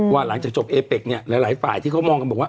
ว่าหลังจากจบเอเป็กหลายฝ่ายที่เขามองกันว่า